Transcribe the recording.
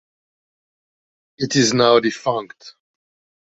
It is now defunct.